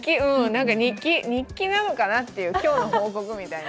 日記なのかなっていう今日の報告みたいな。